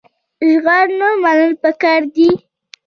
شعار نه عمل پکار دی